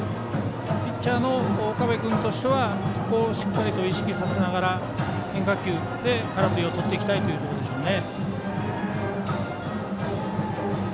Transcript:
ピッチャーの岡部君としてはそこをしっかりと意識させながら変化球で空振りをとっていきたいというところですね。